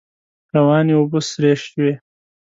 روانې اوبه سرې شوې.